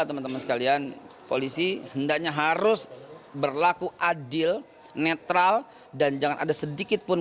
teman teman sekalian polisi hendaknya harus berlaku adil netral dan jangan ada sedikit pun